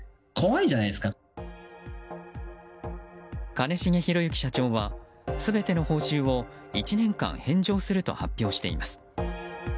兼重宏行社長は全ての報酬を１年間返上すると発表しています。